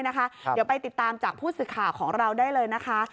เดี๋ยวไปติดตามจากผู้สื่อข่าวของเราได้เลยนะคะ